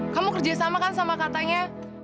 kamu kerjasama kan sama katanya